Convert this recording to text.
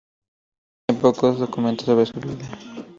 Hay pocos documentos sobre su vida.